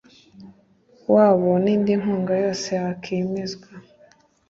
wabo n indi nkunga yose yakwemezwa